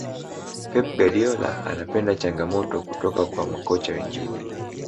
pep guardiola anapenda changamoto kutoka kwa makocha wengine